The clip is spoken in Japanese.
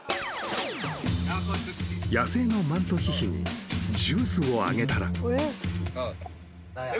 ［野生のマントヒヒにジュースをあげたら］